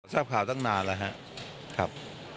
ทราบข่าวตั้งนานแล้วครับ